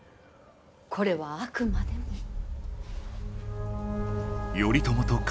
これはあくまでも。